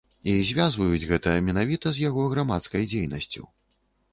І звязваюць гэта менавіта з яго грамадскай дзейнасцю.